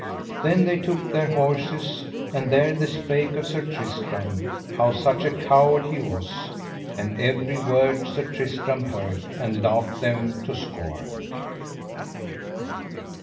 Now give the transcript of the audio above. Then they took their horses, and there they spake of Sir Tristram, how such a coward he was; and every word Sir Tristram heard and laughed them to scorn.